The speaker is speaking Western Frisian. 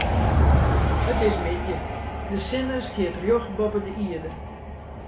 It is middei, de sinne stiet rjocht boppe de ierde.